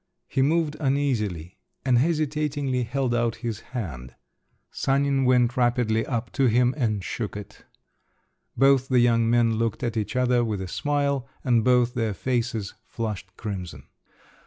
He moved uneasily, and hesitatingly held out his hand. Sanin went rapidly up to him and shook it. Both the young men looked at each other with a smile, and both their faces flushed crimson.